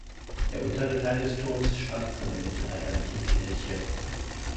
Der untere Teil des Turms stammt von der mittelalterlichen Kirche.